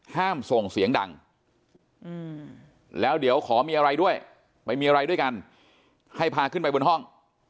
ห้ามส่งเสียงดังแล้วเดี๋ยวขอมีอะไรด้วยไม่มีอะไรด้วยกันให้พาขึ้นไปบนห้อง